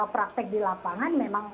praktek di lapangan memang